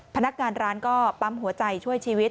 พนักงานร้านก็ปั๊มหัวใจช่วยชีวิต